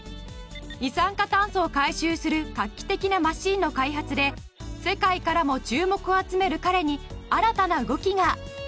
二酸化炭素を回収する画期的なマシンの開発で世界からも注目を集める彼に新たな動きが！